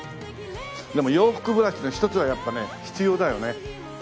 でも洋服ブラシの１つはやっぱね必要だよね。